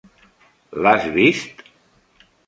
L'has vist?